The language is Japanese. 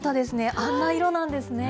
あんな色なんですね。